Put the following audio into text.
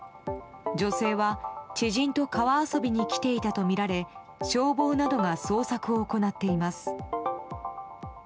女性は知人と川遊びに来ていたとみられ消防などが捜索を行っています。